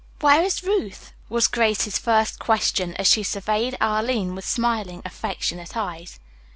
"Where is Ruth?" was Grace's first question as she surveyed Arline with smiling, affectionate eyes.